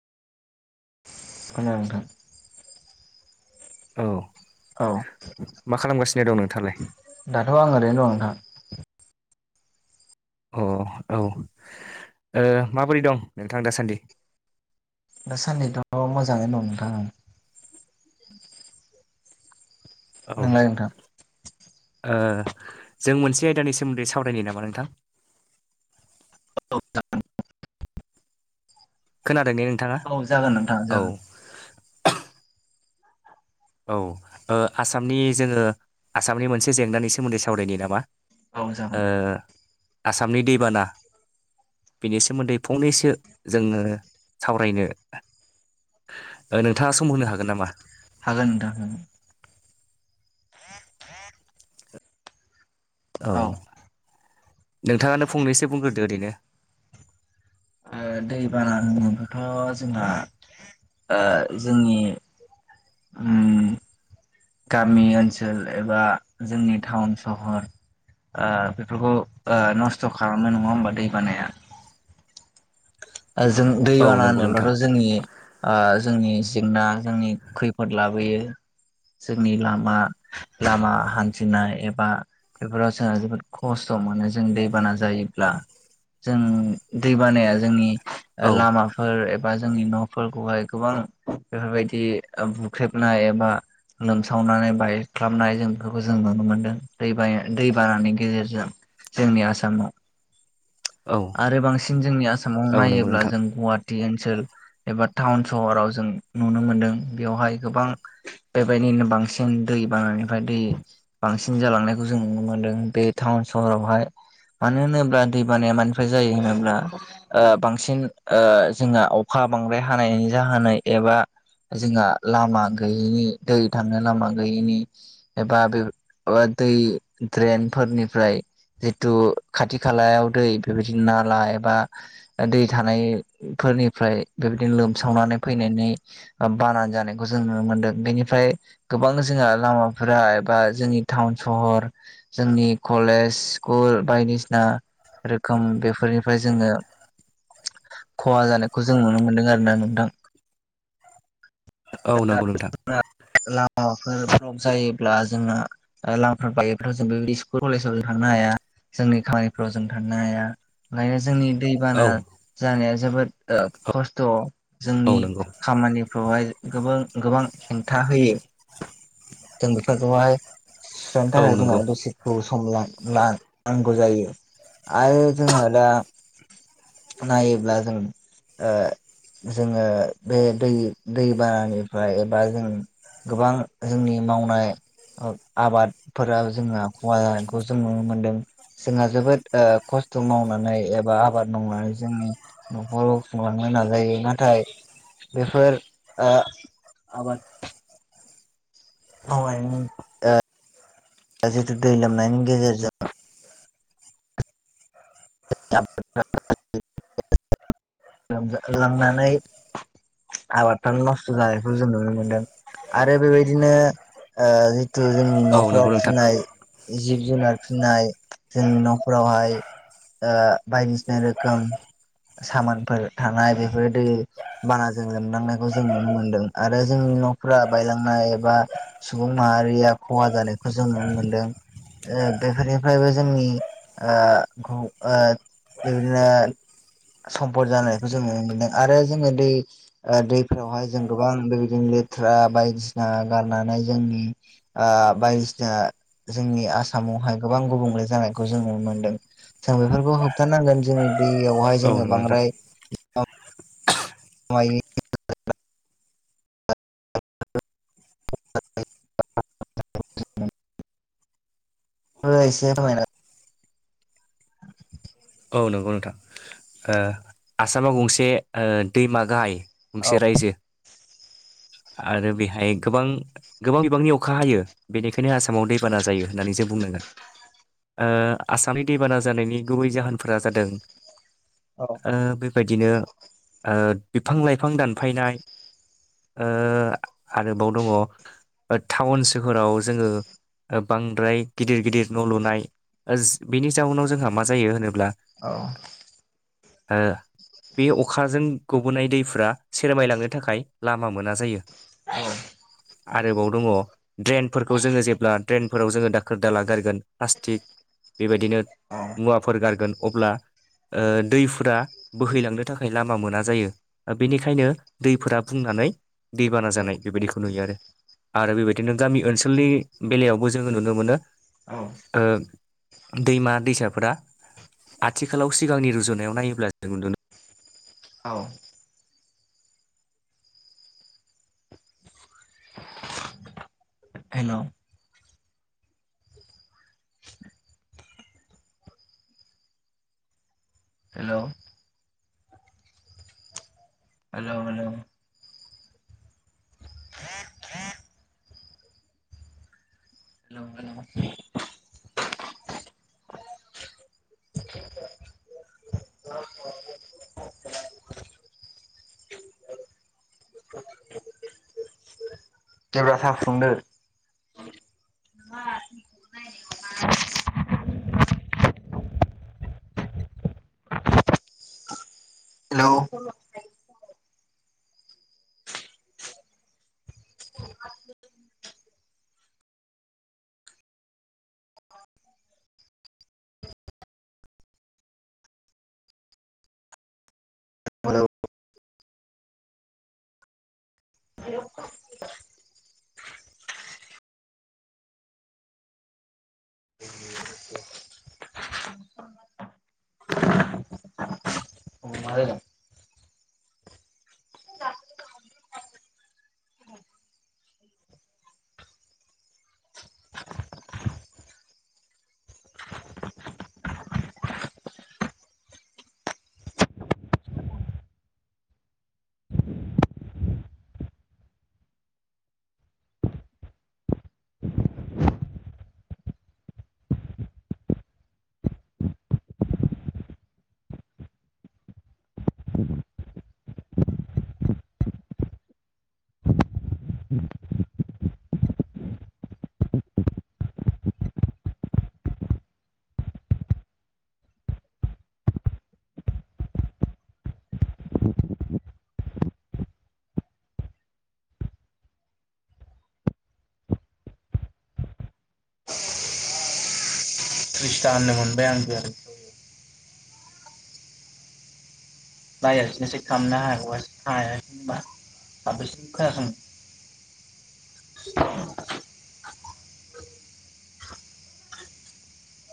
ओ नोंथां औ औ मा खालामगासिनो दं नोंथांङालाय दाथ' आं ओरैनो दं नोंथां अ औ ओ माबोरै दं नोंथां दासान्दि दासान्नैथ' मोजाङैनो दं नोंथां औ नोंलाय नोंथां ओ जों मोनसे आयदानि सोमोन्दै सावरायनो नामा नोंथां [unintelligible] खोनादों दे औ जागोन नोंथां जागोन। औ आसामनि जोंङो आसामनि मोनसे जेंनानि सोमोन्दै सावरायनाय नामा? औ जागोन ओ आसामनि दैबाना बिनि सोमोन्दै फंनैसो जोंङो सावरायनो नोंथांङा सम होनो हागोन नामा? हागोन नोंथां [unintelligible] औ नोंथाङानो फंनैसो बुंग्रोदो ओरैनो ओ दै बाना होनोब्लाथ' जोंहा ओ जोंनि उम गामि ओनसोल एबा जोंनि टाउन सहर ओ बेफोरखौ ओ नस्थ' खालामो नङा होमबा दै बानाया जों दै औ बाना नंगौ नोंथां होनोब्लाथ' जोंनि ओ जोंनि जेंना जोंनि खैफोद लाबोयो जोंनि लामा लामा हान्थिनाय एबा बेफोराव जोंहा जोबोद खस्थ' मोनो जों दैबाना जायोब्ला जों दै बानाया जोंनि औ लामा फोर एबा जोंनि न'फोरखौहाय गोबां बेफोरबायदि बुख्रेबनाय एबा लोमसावनानै बाइक खालामनाय जों बेफोरखौ जों नुनो मोनदों दै बाना दै बानानि गेजेरजों जोंनि आसामाव औ आरो बांसिन जोंनि आसामाव औ नंगौ नायोब्ला नोंथां जों गुवाहाटि ओनसोल एबा टाउन सहराव जों नुनो मोनदों बेवहाय गोबां बेबायदिनो बांसिन दै बांनिफ्राय दै बांसिन जालांनायखौ जों नुनो मोन्दों बे टाउन सहरावहाय मानो होनोब्ला दै बानाया मानिफ्राय जायो होनोब्ला बांसिन जोंहा अखा बांद्राय हानायनि जाहोनाय एबा जोंहा लामा गैयैनि दै थांनो लामा गैयैनि एबा बे दै द्रेन फोरनिफ्राय जितु खाथि खालायाव दै बेबायदिनो नाला एबा दै थानायफोरनिफ्राय बेबायदिनो लोमसावनानै फैनायनि बानानै जानायखौ जों नुनो मोन्दों बेनिफ्राय गोबां जोंहा लामाफोरा एबा जोंनि टाउन सहर जोंनि कलेज स्कुल बायदिसिना रोखोम बेफोरनिफ्राय जोङो खहा जानायखौ जों नुनो मोन्दों आरोोना नोंथां औ नंगौ नोंथां [unintelligible] लामाफोर ब्लक जायोब्ला जोंना लामाफ्र बायोफ्राव जों बेदि स्कुल कलेजाव जों थांनो हाया जोंनि खामानिफ्राव जों थांनो हाया ओंखायनो जोंनि औ दैबाना जानाया जोबोद खस्थ' औ जोंनि नंगौ खामानिफ्रावहाय गोबां गोबां हेंथा होयो जों बेफोरखौहाय सथा औ आरोना नंगौ दसि खौ सम लानांगौ जायो आरो जोंहा दा नायोब्ला जों ओ जोङो बे दै दैबानानिफ्राय एबा जों गोबां जोंनि मावनाय आबादफोरा जोंहा खहा जानायखौ जों नुनो मोनदों जोंहा जोबोद खस्थ' मावनानै एबा आबाद मावनानै जों न'खराव खुंलांनो नाजायो नाथाय बेफोर ओ आबाद मावनायनि ओ जितु दै लोमनायनि गेजेरजों [unintelligible] आबादफ्रानो नस्थ' जानायखौ जों नुनो मोनदों आरो बेबायदिनो जिथु जोंनि औ नंगौ न'खराव नोंथां फिसिनाय जिब जुनार फिननाय जोंनि न'फोररावहाय बायदिसिना रोखोम सामानफोर थानाय बेफोरदि बानाजों लोमलांनायखौ जों नुनो मोनदों आरो जोंनि न'फोरा बायलांनाय एबा सुबुं माहारिया खहा जानायखौ जों नुनो मोनदों बेफोरनिफ्रायबो जोंनिखौ बिबायदिनो सम्फद जानायखौ जों नुनो मोनदों आरो जोङो दै दैफोरावहाय जों गोबां बेबायदिनो लेथ्रा बायदिसिना गारनानै जोंनि बायदिसिना जोंनि आसामावहाय गोबां गुबुंले जानायखौ जों नुनो मोन्दों जों बेफोरखौ होबथानांगोन जोंनि दैयावहाय औ जोङो नंगौ नोंथां बांद्राय मायनि [unintelligible] बायस माया औ नंगौ नोंथां ओ आसामाव गंसे दैमा गाहाय औ गंसे रायजो आरो बेहाय गोबां गोबां बिबांनि अखा हायो बेनिखायनो आसामाव दैबाना जायो होननानै जों बुंनांगोन। ओ आसामनि दैबाना जानायनि गुबै जाहोनफोरा जादों औ बेबायदिनो बिफां लाइफां दानफायनाय आरोबाव दङ टाउन सोहोराव जोङो ओ बांद्राय गिदिर गिदिर न' लुनाय बेनि जाउनाव जोंहा मा जायो होनोब्ला औ हो बे अखाजों गबोनाय दैफोरा सेरमायलांनो थाखाय लामा मोना जायो। औ आरोबाव दङ ड्रेनफोरखौ जोङो जेब्ला ड्रेनफोराव जोङो दाखोर दाला गारगोन प्लास्टिक बेबायदिनो औ मुवाफोर गारगोन अब्ला ओ दैफोरा बोहैलांनो थाखाय लामा मोना जायो बेनिखायनो दैफोरा बुंनानै दैबाना औ जानाय बेबायदिखौ नुयो आरो। आरो बेबायदिनो गामि ओनसोलनि बेलायावबो जोङो नुनो मोनो औ दैमा दैसाफोरा आथिखालाव सिगांनि रुजुन नायाव नायोब्ला जों नुनो औ hello hello hello hello [inaudible] hello hello [inaudible] देब्रा सा फुदुंदो। [inaudible] हेलौ हेल' मा जादों त्रिस्था होननो मोनबाय आंबो। बाहायालासिनोसो खालामनो हागौमोन हायासैनोबा। [unintelligible]